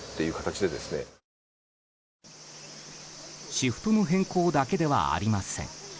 シフトの変更だけではありません。